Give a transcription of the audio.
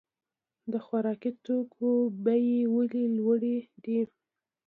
د خوراکي توکو بیې ولې لوړې دي؟